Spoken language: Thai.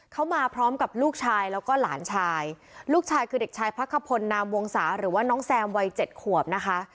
เขามาพร้อมกับลูกชายแล้วก็หลานชายลูกชายคือเด็กชายพักขพลนามวงศาหรือว่าน้องแซมวัยเจ็ดขวบนะคะ